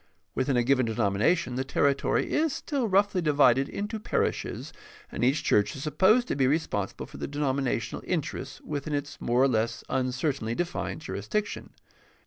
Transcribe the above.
Within a given denomination the territory is still roughly divided into par ishes, and each church is supposed to be responsible for the denominational interests within its more or less uncertainly defined jurisdiction.